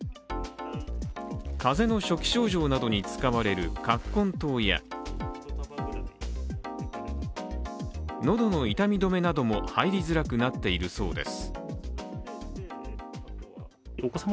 風邪の初期症状などに使われる葛根湯や喉の痛み止めなども入りづらくなっているそうです。